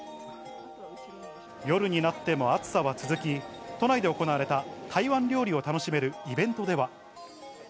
夜になっても暑さは続き、都内で行われた台湾料理を楽しめるイベントでは。